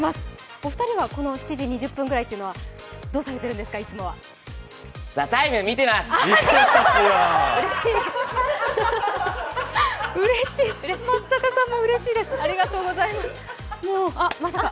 お二人はこの７時２０分ぐらいというのはいつもはどうされてるんですか？